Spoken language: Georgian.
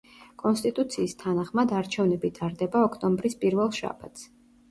კონსტიტუციის თანახმად არჩევნები ტარდება ოქტომბრის პირველ შაბათს.